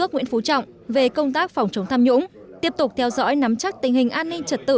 nguyễn phú trọng về công tác phòng chống tham nhũng tiếp tục theo dõi nắm chắc tình hình an ninh trật tự